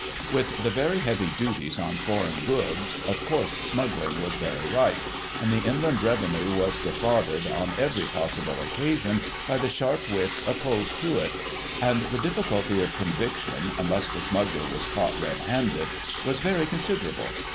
With the very heavy duties on foreign goods, of course smuggling was very rife, and the Inland Revenue was de frauded on every possible occasion by the sharp wits opposed to it ; and the difficulty of conviction, unless the smuggler was caught red handed, was very considerable.